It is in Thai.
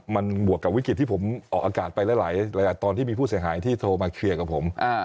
มันบวกกับวิกฤตที่ผมออกอากาศไปหลายตอนที่มีผู้เสียหายที่โทรมาเคลียร์กับผม